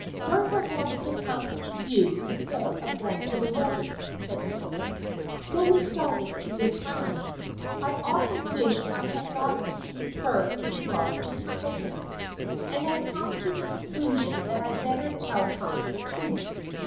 "Bertha wanted to come see you instead of going to the wedding," said Caleb, "so we started in good time. I often wish I had not deceived her in regard to Tackleton, and I've come to the conclusion that I'd better tell her the truth.